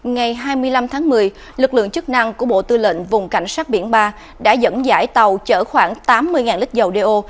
ngày hai mươi năm tháng một mươi lực lượng chức năng của bộ tư lệnh vùng cảnh sát biển ba đã dẫn dãi tàu chở khoảng tám mươi lít dầu đeo